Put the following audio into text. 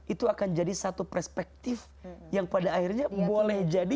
itu akan jadi satu perspektif yang pada akhirnya boleh jadi